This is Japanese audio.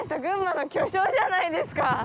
群馬の巨匠じゃないですか！